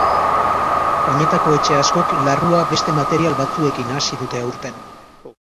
Oinetako etxe askok larrua beste material batzuekin nahasi dute aurten.